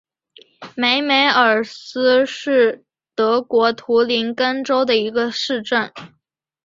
梅梅尔斯是德国图林根州的一个市镇。